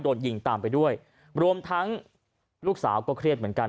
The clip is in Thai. โดนยิงตามไปด้วยรวมทั้งลูกสาวก็เครียดเหมือนกัน